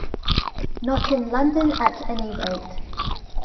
Not in London at any rate.